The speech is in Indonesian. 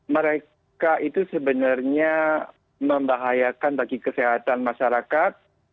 mereka itu sebenarnya membahayakan bagi kesehatan masyarakat